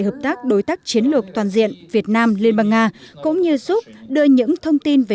hợp tác đối tác chiến lược toàn diện việt nam liên bang nga cũng như giúp đưa những thông tin về